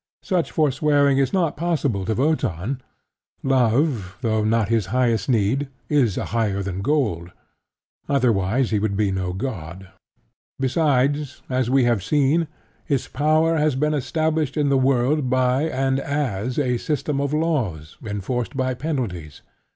Such forswearing is not possible to Wotan: love, though not his highest need, is a higher than gold: otherwise he would be no god. Besides, as we have seen, his power has been established in the world by and as a system of laws enforced by penalties.